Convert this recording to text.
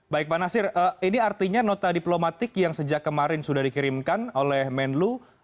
baik pak nasir ini artinya nota diplomatik yang sejak kemarin sudah dikirimkan oleh menlu